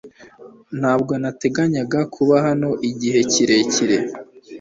Ntabwo nteganya kuba hano igihe kirekire.